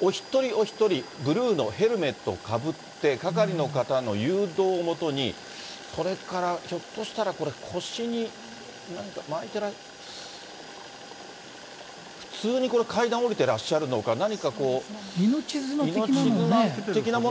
お一人お一人、ブルーのヘルメットをかぶって、係の方の誘導をもとに、これからひょっとしたら腰に何か巻いてらっしゃる、普通にこれ、階段を下りてらっしゃるのか、何か命綱的なものを。